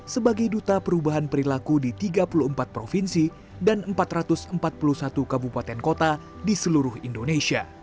sebagai duta perubahan perilaku di tiga puluh empat provinsi dan empat ratus empat puluh satu kabupaten kota di seluruh indonesia